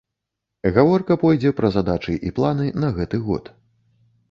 Гаворка пойдзе пра задачы і планы на гэты год.